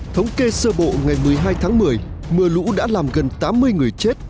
thống kê sơ bộ ngày một mươi hai tháng một mươi mưa lũ đã làm gần tám mươi người chết